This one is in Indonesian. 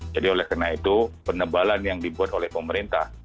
jadi oleh karena itu penebalan yang dibuat oleh pemerintah